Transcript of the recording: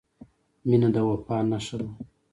• مینه د وفا نښه ده.